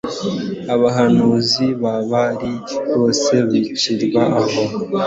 abahanuzi ba Bali bose bicirwa aho